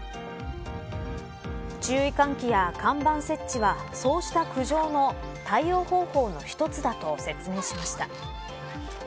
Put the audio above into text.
注意喚起や看板設置はそうした苦情の対応方法の一つだと説明しました。